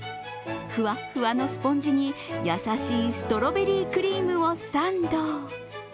ふわふわのスポンジに優しいストロベリークリームをサンド。